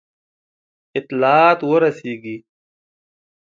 اطلاعات ورسیږي.